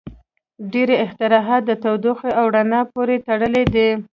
• ډېری اختراعات د تودوخې او رڼا پورې تړلي دي.